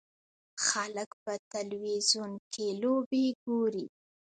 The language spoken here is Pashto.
خلک په تلویزیون کې لوبې ګوري.